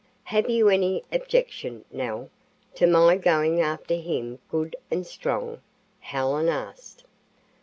"Have you any objection, Nell, to my going after him good and strong?" Helen asked.